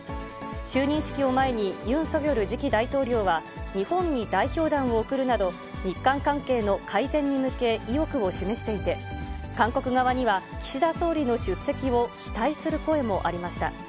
就任式を前に、ユン・ソギョル次期大統領は、日本に代表団を送るなど、日韓関係の改善に向け、意欲を示していて、韓国側には岸田総理の出席を期待する声もありました。